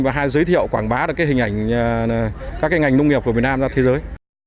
và giới thiệu quảng bá các ngành nông nghiệp của việt nam ra thế giới